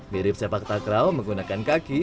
mirip sepak takraw menggunakan kaki